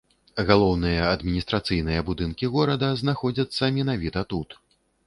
Галоўныя адміністрацыйныя будынкі горада знаходзяцца менавіта тут.